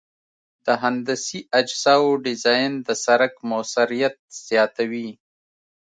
د هندسي اجزاوو ډیزاین د سرک موثریت زیاتوي